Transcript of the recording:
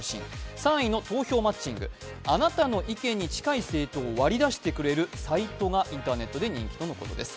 ３位の投票マッチング、あなたの意見に近い政党を割り出してくれるサイトがインターネットで人気とのことです。